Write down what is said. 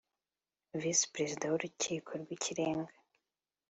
Visi Perezida w Urukiko rw Ikirenga